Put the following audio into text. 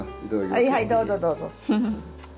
はいどうぞどうぞ。